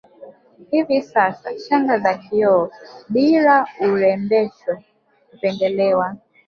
Hivi sasa shanga za kioo bila urembesho hupendelewa